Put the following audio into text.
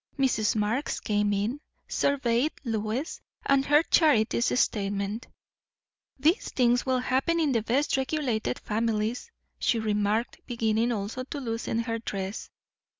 Mrs. Marx came in, surveyed Lois, and heard Charity's statement. "These things will happen in the best regulated families," she remarked, beginning also to loosen her dress.